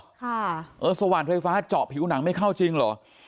ค่ะเออสว่านไฟฟ้าเจาะผิวหนังไม่เข้าจริงเหรอ